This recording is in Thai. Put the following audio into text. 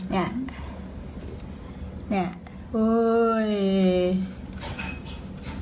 เนี่ยเนี่ยโอ้ย